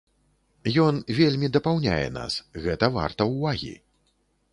Ён вельмі дапаўняе нас, гэта варта ўвагі!